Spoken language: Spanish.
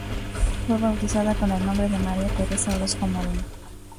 Fue bautizada con el nombre de María Teresa Orozco Moreno.